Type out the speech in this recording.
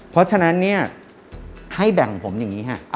เพราะฉะนั้นเนี่ยให้แบ่งผมอย่างนี้ฮะ